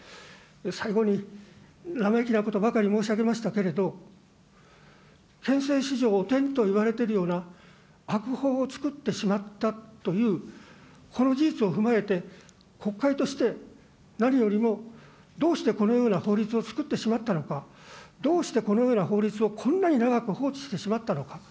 最後に、生意気なことばかり申し上げましたけれど、憲政史上汚点といわれているような悪法を作ってしまったというこの事実を踏まえて、国会として、何よりもどうしてこのような法律を作ってしまったのか、どうしてこのような法律をこんなに長く放置してしまったのか。